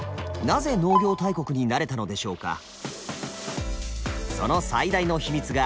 なぜ農業大国になれたのでしょうか。